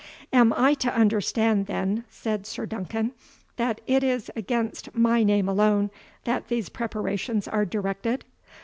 "Am I to understand, then," said Sir Duncan, "that it is against my name alone that these preparations are directed?